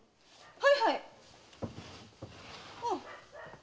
はいはい！